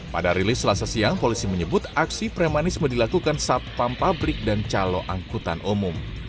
pada rilis selasa siang polisi menyebut aksi premanisme dilakukan satpam pabrik dan calo angkutan umum